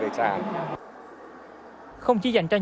không chỉ dành cho những nhà bán